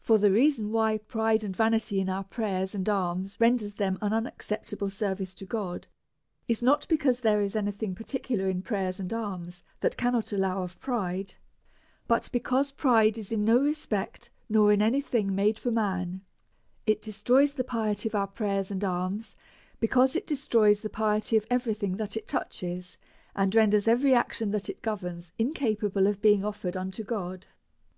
For the reason why pride and vanity in our prayers and alms render them an unacceptable service to God, is not because there is any thing particular in prayers and alms that cannot allow of pride, but because pride is in no respect nor in any thing made for man ; it destroys the piety of our prayers and alms, because it destroys the piety of every thing that it touches, and renders every action that it governs incapable of be ing offered unto God.